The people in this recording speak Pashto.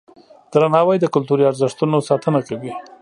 درناوی د کلتوري ارزښتونو ساتنه کوي.